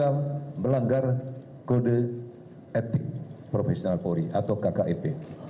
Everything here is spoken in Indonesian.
dan yang melanggar kode etik profesional polri atau kkip